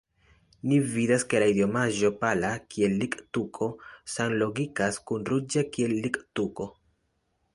Ni vidas, ke la idiomaĵo pala kiel littuko samlogikas kun ruĝa kiel littuko.